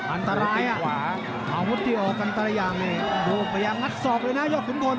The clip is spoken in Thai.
อันตรายอ่ะเอางุธที่ออกกันตราย่างเนี่ยโดยพยายามงัดสอกเลยนะยอดขุนพล